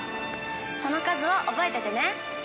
その数を覚えててね。